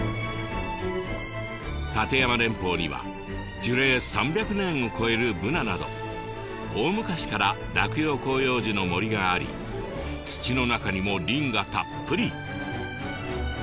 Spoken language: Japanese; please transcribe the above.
立山連峰には樹齢３００年を超えるブナなど大昔から落葉広葉樹の森があり土の中にもリンがたっぷり。